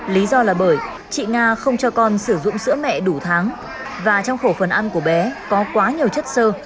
lý do là bởi chị nga không cho con sử dụng sữa mẹ đủ tháng và trong khẩu phần ăn của bé có quá nhiều chất sơ